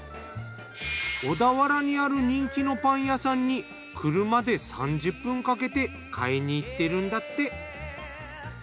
小田原にある人気のパン屋さんに車で３０分かけて買いにいってるんだって。